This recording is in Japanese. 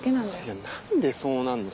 いや何でそうなんの？